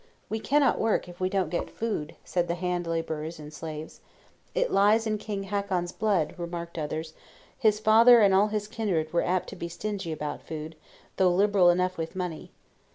"We cannot work if we don't get food," said the hand laborers and slaves. "It lies in King Hakon's blood," remarked others; "his father and all his kindred were apt to be stingy about food, though liberal enough with money."